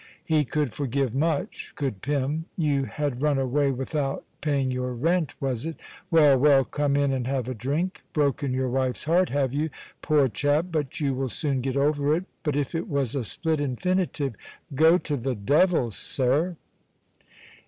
He could forgive much, could Pym. You had run away without paying your rent, was it? Well, well, come in and have a drink. Broken your wife's heart, have you? Poor chap, but you will soon get over it. But if it was a split infinitive, "Go to the devil, sir."